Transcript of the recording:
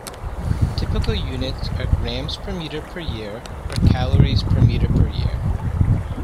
Typical units are grams per meter per year or calories per meter per year.